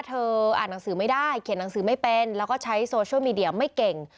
อ่านหนังสือไม่ได้เขียนหนังสือไม่เป็นแล้วก็ใช้โซเชียลมีเดียไม่เก่ง